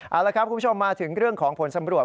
เอาละครับคุณผู้ชมมาถึงเรื่องของผลสำรวจ